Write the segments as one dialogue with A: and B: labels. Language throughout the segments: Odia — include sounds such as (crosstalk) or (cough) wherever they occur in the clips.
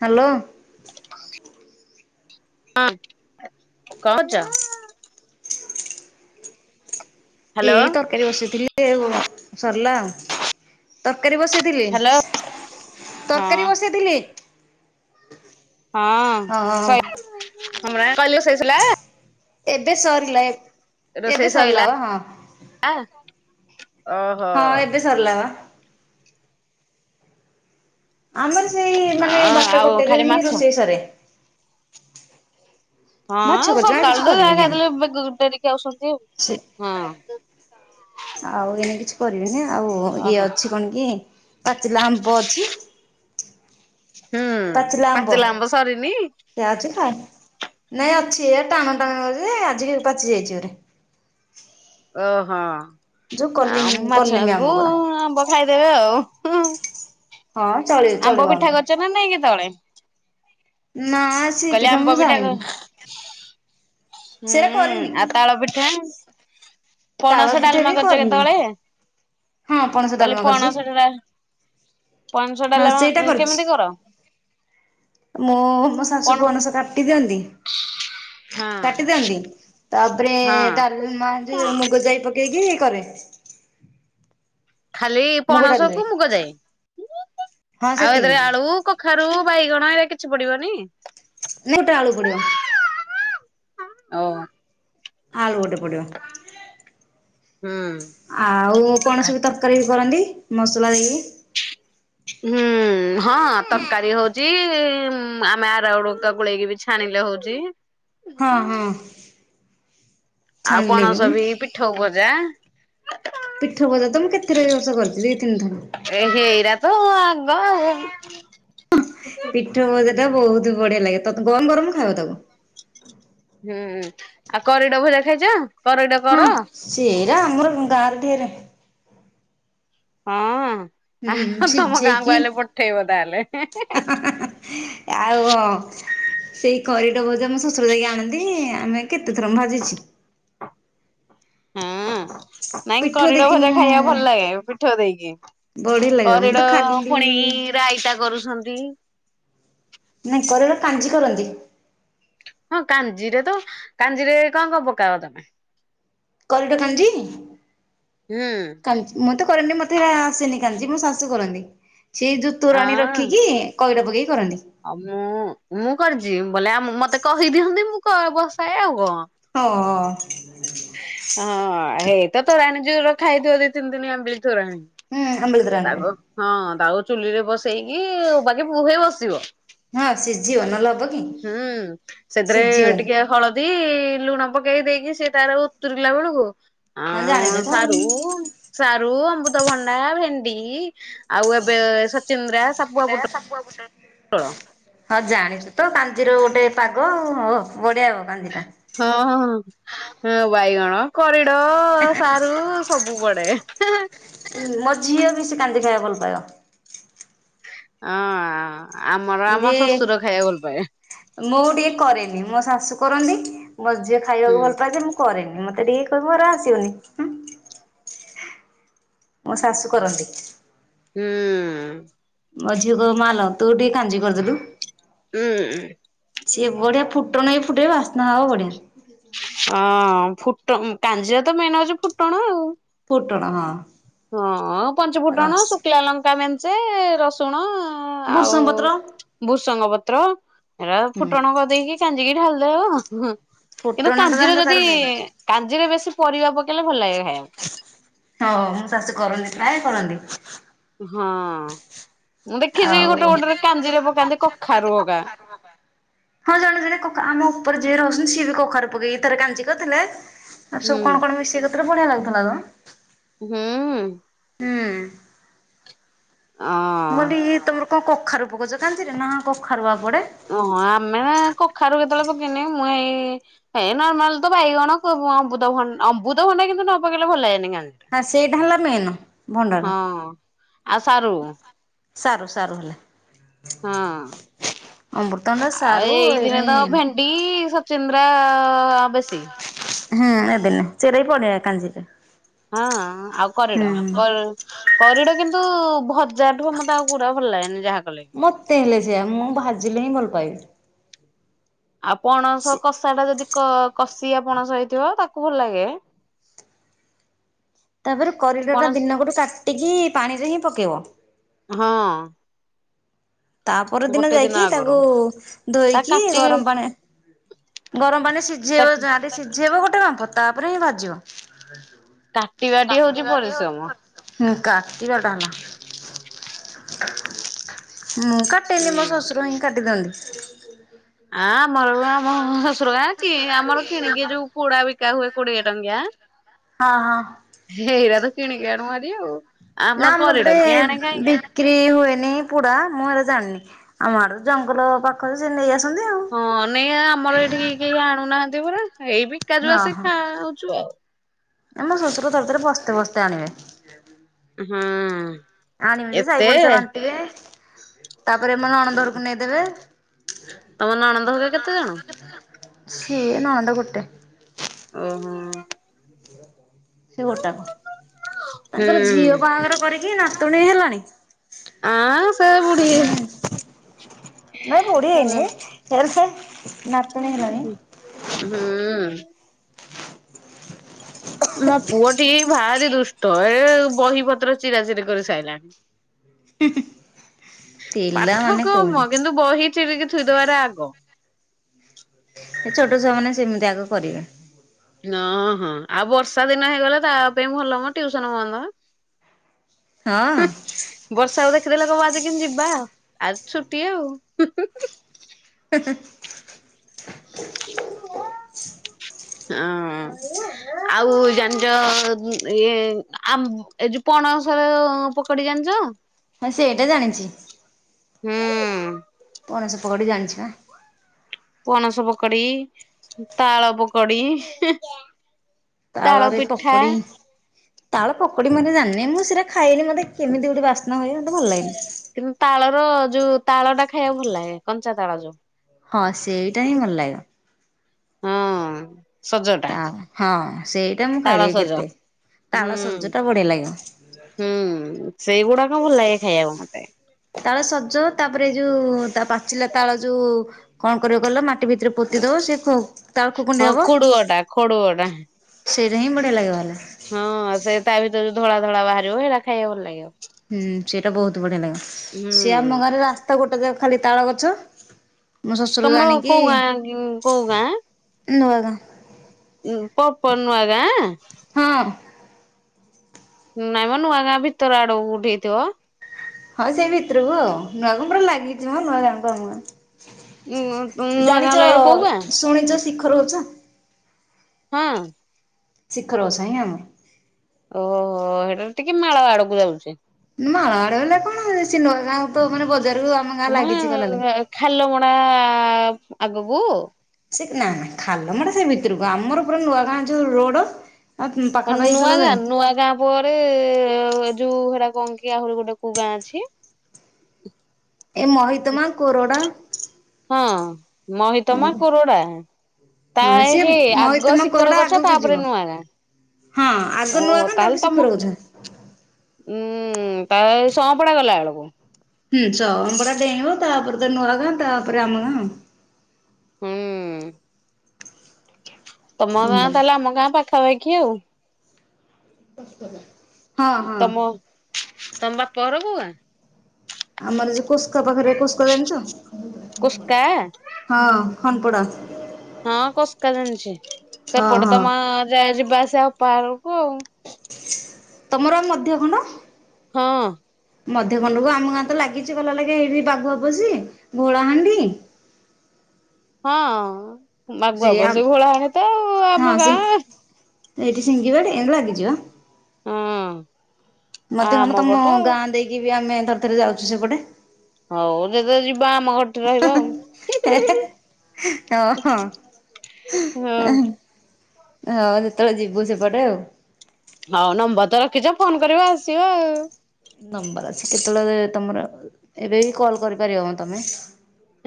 A: ହ୍ୟାଲୋ।
B: ହଁ କଣ କରୁଚ। ହ୍ୟାଲୋ
A: ଏଇ ତରକାରୀ ବସେଇଥିଲି ସରିଲା। ତରକାରୀ ବସେଇଥିଲି
B: ହ୍ୟାଲୋ ହଁ
A: ତରକାରୀ ବସେଇଥିଲି।
B: ହଁ
A: ହଁ
B: ସଇଲା। (unintelligible)
A: ଏବେ ସରିଲା ଏ
B: ରୋଷେଇ ସଇଲା ଆ
A: ହଁ ଏବେ ସରିଲା ବା ଆମର ସେଇ ମାନେ
B: ଆଉ
A: ବାରଟା
B: ଆଉ
A: ଗୋଟେରେ
B: ଖାଲି
A: ହିଁ
B: ମାଛ
A: ରୋଷେଇ ସରେ। ମାଛ
B: ହଁ
A: କଚା
B: ସକାଳୁ
A: କିଛି
B: ତ ଯାହା
A: କରିବିନି ଆଜି
B: ଖାଇଦେଲେ ଡେରି ଖାଉଛନ୍ତି
A: ସେ
B: ଆଉ ହଁ।
A: ଆଉ ଏଇନା କିଛି କରିବିନି ଆଉ
B: ହଁ
A: ଇଏ
B: ଓହୋ
A: ଅଛି କଣ କି ପାଚିଲା ଆମ୍ବ ଅଛି।
B: ହୁଁ
A: ପାଚିଲା ଆମ୍ବ। ସେଇଆ ଅଛି ଖାଇ ନାଇଁ ଅଛି ଏ ଟାଣ ଟାଣୁଆ ଯେ ଆଜିିକି ପାଚିଯାଇଚି ଗୁରେ।
B: ଓହୋ
A: ଯୋଉ
B: ଆ
A: କଲିମି କଲିମି ଆମ୍ବ
B: ମାଛକୁ
A: ଗୁରା।
B: ଆମ୍ବ ଖାଇଦେବେ ଆଉ ହୁଁ।
A: ହଁ ଚଳିବ ଚଳିବ ଆମର।
B: କରିଛ ନାଇଁ କେତେବେଳେ
A: ନା ସେ
B: କହିଲେ
A: ପିଠା ମୁଁ
B: ଆମ୍ବ ବିିଠା
A: ଜାଣିନି
B: ହୁଁ
A: ସେଟା କରିନି
B: ଆଉ ତାଳ ପିଠା।
A: ତାଳ
B: ପଣସ
A: ପିଠା
B: ଡାଲମା
A: ବି
B: କରିଛ
A: କରିନି
B: କେତେବେଳେ
A: ହଁ ପଣସ
B: କହିଲି
A: ଡାଲମା କରିଛି
B: ପଣସ ଡା ପଣସ
A: ହଁ ସେଇଟା
B: ଡାଲମା
A: କରିଛି
B: କେମିତି କର?
A: ମୁଁ ମୋ ଶାଶୁ
B: ପଣ
A: ପଣସ କାଟି ଦିଅନ୍ତି।
B: ହଁ
A: କାଟି ଦିଅନ୍ତି ତାପରେ
B: ହଁ
A: ଡାଲମା ମୁଗ ଯାଇ ପକେଇ କେଇକି କରେ।
B: ଖାଲି
A: ମୁଗ ଡାଲିରେ
B: ପଣସକୁ ମୁଗ ଜାଇ।
A: ହଁ
B: ଆଉ
A: ସେତିକି
B: ଏଥିରେ ଆଳୁ, କଖାରୁ, ବାଇଗଣ ଏଇଟା କିଛି ପଡିବନି।
A: ନୂଟା ଆଳୁ ପଡିବ।
B: ଓ
A: ଆଳୁ ଗୋଟେ ପଡିବ।
B: ହୁଁ
A: ଆଉ
B: ଖା
A: ପଣସ ବି ତରକାରୀ ବି କରନ୍ତି ମସଲା ଦେଇକି।
B: ହୁଁ। ହଁ ତରକାରୀ ହଉଛି ଆମେ ଆରାରୁଟ୍ ହେକା ଗୋଳେଇକି ବି ଛାଣିଲେ ହଉଛି।
A: ହଁ ହଁ।
B: ଆଉ
A: ଛାଣିଲେ
B: ପଣସ
A: ମୁଁ
B: ବି ପିଠଉ ଭଜା।
A: ପିଠଉ ଭଜା ତ ମୁଁ କେତେଥର ଏ ବର୍ଷ କରିଛି ଦି ତିନିଥର।
B: ଏ ହେଇରା ତ ଆଗ ଆଉ।
A: ପିଠ ଭଜାଟା ବହୁତ ବଢିଆ ଲାଗେ। ଗରମ ଗରମ ଖାଇବ ତାକୁ।
B: ହୁଁ ଆଉ କରିଡ ଭଜା ଖାଇଛ କରିଡ
A: ହଁ।
B: କର।
A: ସେଇରା ଆମର ଗାଁରେ
B: ହଁ
A: ହୁଁ
B: ଆ ତମ ଗାଁକୁ
A: ସିଝେଇକି
B: ଆଇଲେ ପଠେଇବ ତାହେଲେ (unintelligible)
A: ଆଉ ହଁ ସେଇ କରିଡ ଗଜା ଆମ ଶଶୁର ଯାଇକି ଆଣନ୍ତି। ଆମେ କେତେଥର ମୁଁ ଭାଜିଛି।
B: ହଁ। ନାଇଁ
A: ପିଠଉ
B: କରିଡ଼
A: ଦେଇକି
B: ଭଜା
A: ମୁଁ
B: ଖାଇବାକୁ ଭଲ ଲାଗେ ପିଠଉ ଦେଇକି।
A: ବଢିଆ ଲାଗିବ ମୁଁ ତ
B: କରିଡ
A: ଖାଲି
B: ପୁଣି ରାଇତା କରୁଛନ୍ତି।
A: ନାହିଁ କରିଡ଼ କାଞ୍ଜି କରନ୍ତି।
B: ହଁ କାଞ୍ଜିରେ ତ କାଞ୍ଜିରେ କଣ କଣ ପକାଅ ତମେ?
A: କରିଡ଼ କାଞ୍ଜି।
B: ହୁଁ।
A: ମୁଁ ତ କରେନି ମୋତେ ଆସେନି କାଞ୍ଜି। ମୋ ଶାଶୁ କରନ୍ତି ସେ ଜୋଉ ତୁରାଣି
B: ଆଁ
A: ରଖିକି କଇଡ଼ ପକେଇ କରନ୍ତି।
B: ଆଉ ମୁଁ ମୁଁ କରିଛି ବୋଲେ ଆ ମତେ କହିଦିଅନ୍ତି ମୁଁ ବସାଏ ଆଉ କଣ।
A: ହଁ।
B: ହଁ ହେଇତ ତୋରାଣୀ ଯୋଉ ରଖା ହେଇଥିବ ଦି ତିନି ଦିନ ଆମ୍ୱଳି ତୋରାଣୀ।
A: ହଁ ଆମ୍ବିଳି
B: ତା
A: ତୋରାଣୀରେ
B: ହଁ ତାକୁ ଚୁଲିରେ ବସେଇକି ବାକି ବୁହେ ବସିବ।
A: ହଁ ସିଝିବ ନହେଲେ ହବ କି?
B: ହୁଁ ସେଥିରେ
A: ସିଝିବନି
B: ଟିକେ ହଳଦୀ ଲୁଣ ପକେଇ ଦେଇକି ସେ ତାର ଉତୁରିଲା ବେଳକୁ
A: ହଁ ଜାଣିଛ
B: ହ
A: ତ ଆଉ।
B: ସାରୁ ସାରୁ, ଅମୃତଭଣ୍ଡା, ଭେଣ୍ଡି ଆଉ ଏବେ ସଚିନ୍ଦ୍ରା ସପୁଆ ପୁଟ
A: ସାପୁଆ (unintelligible)
B: (unintelligible)
A: ହଁ ଜାଣିଛୁ ତ କାଞ୍ଜିର ଗୋଟେ ପାଗ ଆଉ ବଢିଆ ହବ କାଞ୍ଜିଟା।
B: ହଁ ହଁ। ହେଁ ବାଇଗଣ କରିଡ ସାରୁ ସବୁ ପଡେ ହେଁ ହେଁ।
A: ଉଁ ମୋ ଝିଅ ବେଶୀ କାନ୍ଦି ଖାଇଆକୁ ଭଲ ପାଇବ।
B: ଅଁ ଆ ଆମର ଆମ
A: ଯେ
B: ଶଶୁର ଖାଇଆକୁ ଭଲପାଏ।
A: ମୁଁ ଟିକେ କରେନି ମୋ ଶାଶୁ କରନ୍ତି ମୋ ଝିଅ
B: ହୁଁ
A: ଖାଇବାକୁ ଭଲ ପାଏ ଯେ ମୁଁ କରେନି ମତେ ଟିକେ କହିବୁ ମୋର ଆସିବନି ହୁଁ। ମୋ ଶାଶୁ କରନ୍ତି।
B: ହୁଁ।
A: ମୋ ଝିଅ କହିବ ମା ଲୋ ତୁ ଟିକେ କାଞ୍ଜି କରିଦେଲୁ।
B: ଉଁ
A: ସିଏ ବଢିଆ ଫୁଟଣ ବି ଫୁଟେଇବେ ବାସ୍ନା ହବ ବଢିଆ।
B: ଅଁ ଫୁଟ ଉଁ କାଞ୍ଜିରେ ତ ମେନ୍ ହଉଚି ଫୁଟଣ ଆଉ।
A: ଫୁଟଣ ହଁ।
B: ହଁ ପଞ୍ଚ ଫୁଟଣ
A: ରସ
B: ଶୁକିଲା ଲଙ୍କା ମେଞ୍ଚେ ରସୁ ତୁଣ ଆଉ
A: ଭୃଷଙ୍ଗ ପତ୍ର
B: ଭୃସଙ୍ଗ ପତ୍ର ହେରା
A: ହୁଁ
B: ଫୁଟଣ କର ଦେଇକି କାଞ୍ଜି କି ଢାଲି ଦବ ହୁଁ କିନ୍ତୁ
A: ଫୁଟଣଟା ବା
B: କାଞ୍ଜିର
A: ହେଲା ତାର
B: ଯଦି
A: ମେନ୍।
B: କାଞ୍ଜିରେ ବେଶୀ ପରିବା ପକେଇଲେ ଭଲ ଲାଗେ ଖାଇଆକୁ।
A: ହଁ ମୋ ଶାଶୁ କରନ୍ତି ପ୍ରାୟ କରନ୍ତି।
B: ହଁ ମୁଁ ଦେଖିଛି
A: ଆଉ
B: ଗୋଟେ ଗୋଟେରେ କାଞ୍ଜିରେ ପକାନ୍ତି କଖାରୁୁ ହକା।
A: ହଁ ଜଣେ ଜଣେ କକା ଆମ ଉପରେ ଯିଏ ରହୁଛନ୍ତି ସିଏ ବି କଖାରୁ ପକେଇକି ଥରେ କାଞ୍ଜି କରିଥିଲେ ଆଉ
B: ହୁଁ
A: ସବୁ କଣ କଣ ମିଶେଇ କରିଥିଲେ ବଢିଆ ଲାଗୁଥେଲା ତ।
B: ହୁଁ।
A: ମୁଁ
B: ଆ ଅଁ
A: ମୁଁ (unintelligible) ଟିକି ତମର କଁ କଖାରୁ ପକଉଚ କାଞ୍ଜିରେ ନା ହଁ କଖାରୁ ବା ପଡେ।
B: ଓହୋ ଆମେ ବା କଖାରୁ କେତେବେଳେ ପକେଇନି ମୁଁ ଏଇ ଏ ନର୍ମାଲ୍ ତ ବାଇଗଣ କୋବୁ ଅବୁଂତଭନ୍ ଅବୁଂତଭଣ୍ଡା କିନ୍ତୁ ନ ପକେଇଲେ ଭଲ ଲାଗେନି କାନ୍
A: ହଁ ସେଇଟା ହେଲା ମେନ ଭଣ୍ଡାଟା।
B: ଆଉ ସାରୁ।
A: ସାରୁ ସାରୁ ହେଲା।
B: ହଁ
A: ଅମୃତଭଣ୍ଡା
B: ଆଉ
A: ସାରୁ
B: ଏଇ
A: ଏଇରା
B: ଦିନେ ତ
A: ହୁଁ
B: ଭେନ୍ ଡି ସଚିନ୍ଦ୍ରା ବେଶୀ।
A: ହେଁ ଏବେ ନୁହଁ ସେଇରା ବି ପଡେ କାଞ୍ଜିରେ।
B: ହଁ ଆଉ
A: ହୁଁ
B: କରିଡ କର୍ କରିଡ କିନ୍ତୁ ଭଜାଠୁ ମତେ ଆଉ ପୁରା ଭଲ ଲାଗେନି ଯାହା କଲେ ବି।
A: ମୋତେ ହେଲେ ସେଇଆ ମୁଁ ଭାଜିଲେ ହିଁ ଭଲପାଏ।
B: ଆଉ ପଣସ କଷାଟା ଯଦି କ କଷିଆ ପଣସ ହେଇଥିବ ତାକୁ ଭଲ ଲାଗେ।
A: ତାପରେ କରିଡଟା
B: ପଣସ
A: ଦିନ ଗୋଟେ କାଟିକି ପାଣିରେ ହିଁ ପକେଇବ।
B: ହଁ।
A: ତା ପର ଦିନ
B: ଗୋଟେ
A: ଯାଇକି
B: ଆଗରୁ
A: ତାକୁ
B: ତା
A: ଧୋଇକି
B: କାଟି
A: ଗରମ ପାଣି ଗରମ ପାଣିରେ
B: ତା
A: ସିଝେଇବ ଯାହେଲେ ସିଝେଇବ ଗୋଟେ ବାମ୍ଫ ତାପରେ ହିଁ ଭାଜିବ।
B: କାଟିବାଟି ହଉଚି ପରିଶ୍ରମ।
A: ହୁଁ କାଟିବାଟା ହେଲା ମୁଁ କାଟେନି ମୋ
B: ହୁଁ
A: ଶଶୁର ହିଁ କାଟି ଦିଅନ୍ତି।
B: ଆ ମଲା ମୋ ଶଶୁର ଗାଁ କି ଆମର କିଣିକି ଯୋଉ ପୁଡା ବିକା ହୁଏ କୋଡିଏ ଟଙ୍କିଆ
A: ହଁ ହଁ।
B: ହେଇରା ତ କିଣିକି ଆଣୁ ଭାରି ଆଉ ଆମର କରିଡ କିଏ ଆଣେ କାଇଁ।
A: ବିକ୍ରୀ ହୁଏନି ପୋଡା ମୁଁ ହେରା ଜାଣିନି ଆମ ଆଡ ଜଙ୍ଗଲ ପାଖରେ ସେ ନେଇ ଆସନ୍ତି ଆଉ।
B: ହଁ ନେଇ ଆ ଆମର ଏଇଠିକି କେହି ଆଣୁନାହାଁନ୍ତି ପରା ଏଇ ବିକା ଯୋଉ ଆସେ ଖାଉଛୁ ଆଉ।
A: ଏ ମୋ ଶଶୁର ଥର ଥରେ ବସ୍ତେ ବସ୍ତେ ଆଣିବେ।
B: ହୁଁ।
A: ଆଣିବି ଯେ ସାଇ
B: ଏତେ
A: ପଡିଶା ବାଣ୍ଟିବେ, ତାପରେ ମୋ ନଣନ୍ଦ ଘରକୁ ନେଇଦେବେ।
B: ତମ ନଣନ୍ଦ ହରିକା କେତେ ଜଣ?
A: ସେ ନଣନ୍ଦ ଗୋଟେ।
B: ଓହୋ।
A: (unintelligible) ସେ ଗୋଟାକ, ତାଙ୍କର ଝିଅ
B: ହୁଁ।
A: ବାହାଘର କରିକି ନାତୁଣୀ ହେଲାଣି।
B: ଆଁ ସେ ବୁଢୀ
A: ନାଇଁ ବୁଢ଼ୀ
B: ହୁଁ।
A: ହେଇନି। ଫେର ସେ ନାତୁଣୀ ହେଲାଣି।
B: ହୁଁ। ମୋ ପୁଅଟି ଭାରି ଦୁଷ୍ଟ ଏ ବହି ପତ୍ର ଚିରାଚିରି କରି ସାଇଲାଣି। ପାଠ
A: ପିଲାମାନେ କୁହନି
B: କମ କିନ୍ତୁ ବହି ଚିରିକି ଥୋଇଦବାର ଆଗ।
A: ସେ ଛୋଟ ଛୁଆ ମାନେ ସେମିତି ଆଗ କରିବେ।
B: ନ ହଁ ଆଉ ବର୍ଷା ଦିନ ହେଇଗଲେ ତା ପାଇଁ ଭଲମ ଟିଉସନ ବନ୍ଦ।
A: ହଁ।
B: ବର୍ଷାକୁ ଦେଖିଦେଲେ କବ ଆଜି କିମିତି ଯିବା ଆଉ ଆଜି ଛୁଟି ଆଉ।
A: (unintelligible) (inaudible)
B: ଆଁ ଉ। ଆଉ ଜାଣିଛ ଇଏ ଆ ଏ ଯଉ ପଣସର ପ କରି ଜାଣିଛ?
A: ହଁ ସେଇଟା ଜାଣିଛି।
B: ହୁଁ।
A: ପଣସ ପକଡ଼ି ଜାଣିଛ ଆଁ।
B: ପଣସ ପକଡି, ତାଳ ପକଡି।
A: ତାଳରେ ପକଡି। ତାଳ ପକଡି ମୁ ଏରା ଜାନିନି ମୁଁ ସେଇଟା ଖାଇନି ମୋତେ କେମିତି ଗୋଟେ ବାସ୍ନା ହୁଏ ମତେ ଭଲ ଲାଗେନି।
B: କିନ୍ତୁ ତାଳର ଯୋଉ ତାଳ ଟା ଖାଇବାକୁ ଭଲ ଲାଗେ, କଞ୍ଚା ତାଳ ଯୋଉ।
A: ହଁ ସେଇଟା ହିଁ ଭଲ ଲାଗିବ।
B: ହଁ ସଜ।
A: ତା ହଁ ସେଇଟା ମୁଁ ଖାଇଦେବି
B: ସଜ ହୁଁ।
A: କେତେ ତାଳ ସଜ ଟା ବଢିଆ ଲାଗିବ।
B: ହୁଁ ସେଇଗୁଡାକ ଭଲ ଲାଗେ ଖାଇବାକୁ ମତେ।
A: ତାଳ ସଜ୍ଜ ତାପରେ ଯୋଉ ତା ପାଚିଲା ତାଳ ଯୋଉ କଣ କରିବ କହିଲ ମାଟି ଭିତରେ ପୋତି ଦଉ ସେ କୋ
B: ହଁ କୋଡୁଅ ଟା ଖୋଡୁଆ ଟା।
A: ସେଇରା ହିଁ ବଢିଆ ଲାଗିବ ହେଲେ।
B: ହଁ ସେ ତା ଭିତରେ ଯୋଉ ଧଳା ଧଳା ବାହାରିବ ହେରା ଖାଇବାକୁ ଭଲ ଲାଗିବ।
A: ହୁଁ ସେଇଟା ବହୁତ ବଢିଆ ଲାଗିବ,
B: ହୁଁ
A: ସେ ଆମ ଗାଁରେ ରାସ୍ତା ଗୋଟେ ଯା ଖାଲି ତାଳ ଗଛ। ମୁଁ ଶ୍ୱଶୁର
B: ତମର
A: ଜାଣିକି,
B: କୋଉ ଗାଁ କୋଉ
A: ନୂଆ ଗାଁ।
B: ପ ପ ନୂଆ ଗାଁ।
A: ହଁ
B: ନାଇଁମ ନୂଆ ଗାଁ ଭିତର ଆଡକୁ କୋଉଠି ହେଇ ଥିବ।
A: ହଁ ସେଇ ଭିତରକୁ ଆଉ, ନୂଆ କ ପୁରା ଲାଗିଛି ମ ନୂଆ ଗାଁ କୁ ଆମ
B: ଉଁ
A: ଗାଁ।
B: ନୂଆ ଗାଁ
A: ଜାଣିଚ
B: ଲାଗି କୋଉ ଗାଁ
A: ଶୁଣିଚ ଶିଖ ରହୁଛ?
B: ହଁ।
A: ଶିଖର ଗୋସାଇଁ ଆଉ।
B: ଓହୋ, ସେଇଟା ଟିକେ ମାଳ ଆଡକୁ ଯାଉଛି।
A: ମାଳ ଆଡ ହେଲେ କଣ ହୁଏ, ସିଏ ନୂଆ ଗାଁକୁ ତ ମାନେ ବଜାରକୁ ଆମ ଗାଁ
B: ହ
A: ଲାଗିଛି କହିଲା ବେଳେ।
B: ମା ଖାଲମଣା ଆଗକୁ
A: ସେ ନା ନା ଖାଲମଡା ସେ ଭିତରକୁ, ଆମର ପୁରା ନୂଆ ଗାଁ ଯୋଉ ରୋଡ ଆଉ
B: ହଁ
A: ପାଖାପାଖି
B: ନୂଆ
A: ଗଲା
B: ଗାଁ,
A: ଯାଏ
B: ନୂଆ ଗାଁ ପରେ ଯୋଉ ସେଇଡା କଣ କି ଆହୁରି ଗୋଟେ କୋଉ ଗାଁ ଅଛି
A: ଏ ମହିତମା, କୋରଡ଼ା
B: ହଁ, ମହିତମା, କୋରଡା ତା
A: ହଁ ସିଏ
B: ହେ ଆଗ
A: ମହିତମା
B: ଶିଖର
A: କୋରଡା
B: ଗଛ,
A: ଆଗକୁ ଯିବ।
B: ତାପରେ ନୂଆ ଗାଁ।
A: ହଁ
B: ଓ
A: ଆଗ ନୂଆ ଗାଁ, ତାପରେ ଶିଖର ଗୋଛା।
B: ଉମ୍ ତାପରେ ସଁପଡା ଗଲା ବେଳକୁ।
A: ହୁଁ। ସଁପଡା ଡେଇଁବ ତାପରେ ତ ନୂଆ ଗାଁ, ତାପରେ ଆମ ଗାଁ ଆଉ।
B: ହଁ। ତମ
A: ହୁଁ
B: ଗାଁ ତାହେଲେ ଆମ ଗାଁ ପାଖାପାଖି ଆଉ।
A: (unintelligible)
B: ତମ, ତମ ବାପ ଘର କୋଉ ଗାଁ?
A: ଆମର ଯୋଉ କୋସ୍କ ପାଖରେ କୋସ୍କ ଜାଣିଛ?
B: କୋସ୍କା
A: ହଁ ଖଣ୍ଡପଡ଼ା।
B: ହଁ କୋସ୍କା ଜାଣିଚି।
A: ହଁ
B: ସେପଟେ
A: ହଁ
B: ତମ ଯାଏ ଯିବା ଆସିବା ଅପା ଘରକୁ ଆଉ।
A: ତମର ଆ ମଧ୍ୟ ଖଣ୍ଡ?
B: ହଁ।
A: ମଧ୍ୟ ଖଣ୍ଡକୁ ଆମ ଗାଁ ତ ଲାଗିଛି, ଗଲା ଲାଗି ହେଇକି ବାଘୁଆପୋଷି, ଘୋଳାହାଣ୍ଡି
B: ହଁ,
A: ସେ
B: ବାଘୁଆପୋଷି, ଘୋଳାହାଣ୍ଡି ତ ଆଉ
A: ହଁ
B: ଆମ
A: ସି
B: ଗାଁ
A: ଏଇଠି ସିଙ୍ଗିବାଡି ଏମତି ଲାଗିଚି ବା।
B: ହଁ। ଆ
A: ମଧ୍ଯ
B: ଆମ
A: ଖଣ୍ଡ ତମ
B: ପଟ ଆଉ
A: ଗାଁ ଦେଇକି ବି ଆମେ ଥରଥରେ ଯାଉଛୁ ସେପଟେ।
B: ହଉ ଯେତେବେଳେ ଯିବ ଆମ ଘରଟି ରହିବ ଆଉ। ହୁଁ ହୁଁ ହୁଁ।
A: ହଁ ହଁ।
B: ହଁ
A: ହେ ହଉ ଯେତେବେଳେ ଯିବୁ ସେପଟେ ଆଉ। ‌
B: ହଉ ନମ୍ବର ତ ରଖିଛ, ଫୋନ୍ କରିବ ଆସିବ ଆଉ।
A: ନମ୍ବର ଅଛି କେତେବେଳେ ତମର ଏବେ ବି କଲ୍ କରିପାରିବ ମ ତମେ।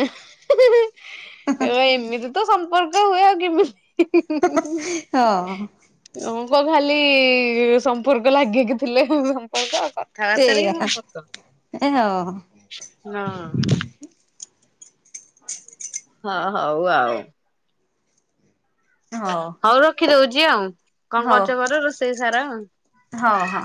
B: ହୁଁ ହୁଁ ଅ ଏମିତି ତ ସମ୍ପର୍କ ହୁଏ ଆଉ କେମିତି (unintelligible)
A: ହଁ
B: ହଁ ପା ଖାଲି ସମ୍ପର୍କ ଲାଗିକିି ଥିଲେ ସମ୍ପର୍କ ଆଉ କଣ? ଥାର
A: ଏଇଆ
B: ଥାରକି ମୁଁ (unintelligible)
A: ଏ ହଁ
B: ହଁ। ହଁ ହଉ ଆଉ।
A: ହଉ।
B: ହଉ ରଖି ଦଉଚି ଆଉ, କଣ
A: ହଉ
B: କରୁଚ କର ରୋଷେଇ ସାର ଆଉ।
A: ହଉ ହଁ।